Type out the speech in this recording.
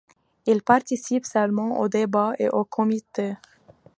Ils participent seulement aux débats et aux comités.